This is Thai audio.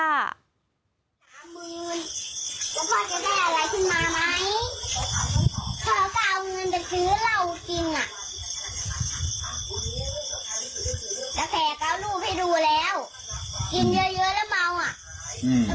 สามหมื่นว่าพ่อจะได้อะไรขึ้นมาไหม